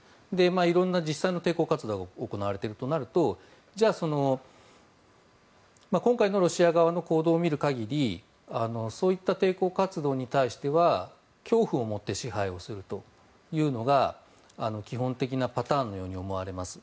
色んな実際の抵抗活動が行われているとなるとじゃあ、今回のロシア側の行動を見る限りそういった抵抗活動に対しては恐怖を持って支配をするというのが基本的なパターンのように思われます。